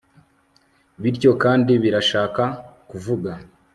bityo kandi birashaka kuvuga